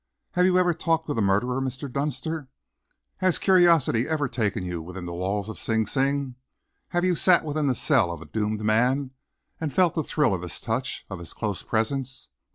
Have you ever talked with a murderer, Mr. Dunster? Has curiosity ever taken you within the walls of Sing Sing? Have you sat within the cell of a doomed man and felt the thrill of his touch, of his close presence?